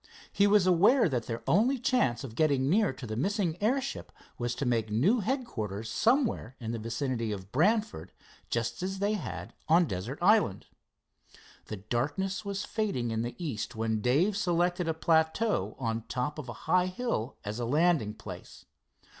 He was aware that their only chance of getting near to the missing airship was to make new headquarters somewhere in the vicinity of Brantford, just as they had on Desert Island. The darkness was fading in the east when Dave selected a plateau on the top of a high hill as a landing place.